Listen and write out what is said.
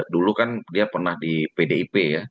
dulu kan dia pernah di pdip ya